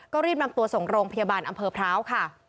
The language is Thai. ก็รีบนำตัวส่งโรงพยาบาลอำเภอพร้าวค่ะ